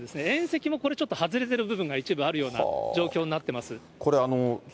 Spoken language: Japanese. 縁石もこれちょっと、外れている部分が一部あるような状況になってます。